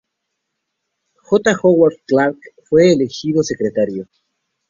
J. Howard Clark, fue elegido secretario.